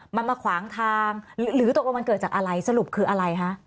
มันมาขวางทางหรือตกลงมันเกิดจากอะไรสรุปคืออะไรคะ